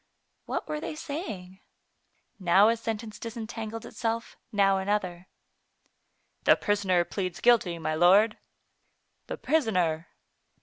What were they saying? Now a sentence disentangled itself, now another. "The prisoner pleads guilty, my lord." "The prisoner!